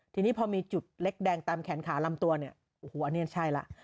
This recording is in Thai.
ทีนี้พอมีจุดเล็กแดงตามแขนขาลำตัวมันก็หมดเลย